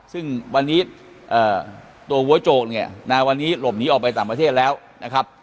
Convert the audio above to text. ซึ่งวันนี้ตัวหัวโจกเนี่ยนะวันนี้หลบหนีออกไปต่างประเทศแล้วนะครับ